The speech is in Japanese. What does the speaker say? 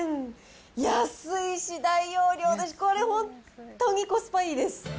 安いし、大容量だし、これ本当にコスパいいです。